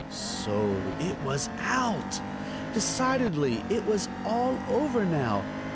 So it was out! Decidedly it was all over now.